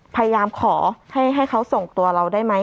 พยายามขอให้เขาส่งตัวเราได้ไหม